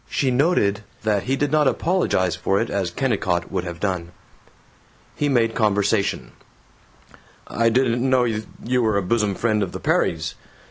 She noted that he did not apologize for it, as Kennicott would have done. He made conversation: "I didn't know you were a bosom friend of the Perrys.